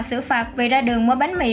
sử phạt vì ra đường mua bánh mì